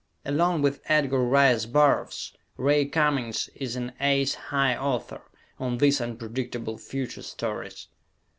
Along with Edgar Rice Burroughs, Ray Cummings is an "ace high" author on these "unpredictable future" stories.